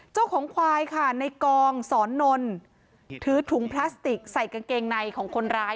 เจ้าของควายค่ะในกองสอนนลถือถุงพลาสติกใส่กางเกงในของคนร้าย